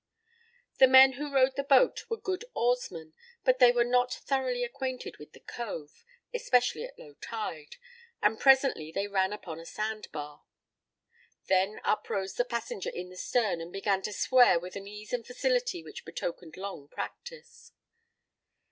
The men who rowed the boat were good oarsmen, but they were not thoroughly acquainted with the cove, especially at low tide, and presently they ran upon a sand bar. Then uprose the passenger in the stern and began to swear with an ease and facility which betokened long practice.